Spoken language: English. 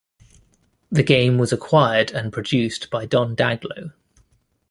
The game was acquired and produced by Don Daglow.